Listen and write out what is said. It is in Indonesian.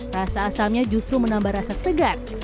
rasa asamnya justru menambah rasa segar